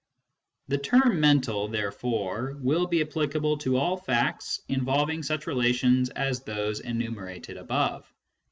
The term " mental," therefore, will be applicable to all facts involving such relations as those enumerated above.